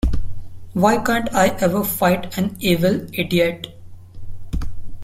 Why can't I ever fight an evil idiot?